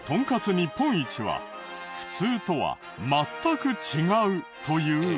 日本一は普通とは全く違うというウワサ。